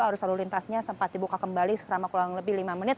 arus lalu lintasnya sempat dibuka kembali selama kurang lebih lima menit